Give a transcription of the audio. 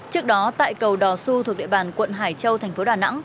trước đó tại cầu đò xu thuộc địa bàn quận hải châu thành phố đà nẵng